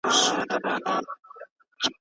ما په کتابتون کي بېلابېل کتابونه وکتل.